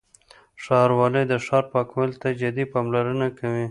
ښاروالۍ د ښار پاکوالي ته جدي پاملرنه کوي.